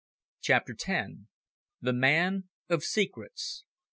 CHAPTER TEN. THE MAN OF SECRETS.